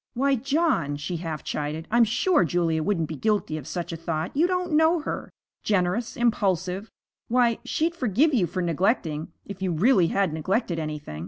'Why, John,' she half chided, 'I'm sure Julia wouldn't be guilty of such a thought. You don't know her generous impulsive. Why, she'd forgive you for neglecting, if you really had neglected anything.